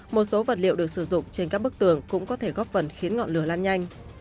một số vật liệu được sử dụng trên các bức tường cũng có thể góp phần khiến ngọn lửa lan nhanh